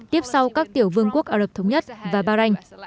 tiếp sau các tiểu vương quốc ả rập thống nhất và bahrain